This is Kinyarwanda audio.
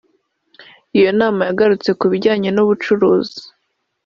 Iyo nama yagarurutse ku bijyanye n’ubucuruzi